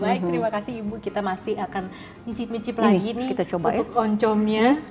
baik terima kasih ibu kita masih akan nicip nicip lagi nih untuk oncomnya